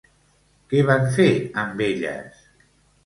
Què van fer amb elles?